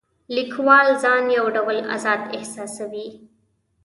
لیکوال ځان یو ډول آزاد احساسوي.